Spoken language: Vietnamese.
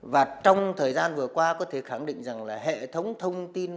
và trong thời gian vừa qua có thể khẳng định rằng là hệ thống thông tin